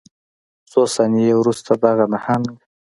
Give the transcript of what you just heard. څو ثانیې وروسته دغه نهنګ